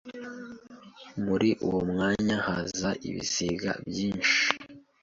Muri uwo mwanya haza ibisiga byinshi